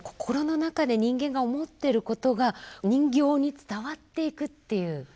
心の中で人間が思ってることが人形に伝わっていくっていう。